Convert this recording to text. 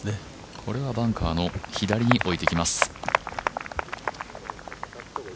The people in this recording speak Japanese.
これはバンカーの左に置いてきます。